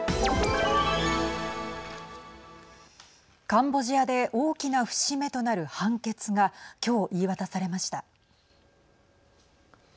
カンボジアで大きな節目となる判決が今日、言い渡されました。